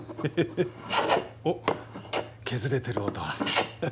おっ削れてる音だ。